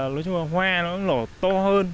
nói chung là hoa nó cũng nổ to hơn